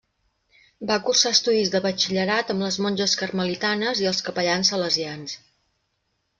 Va cursar estudis de batxillerat amb les monges carmelitanes i els capellans salesians.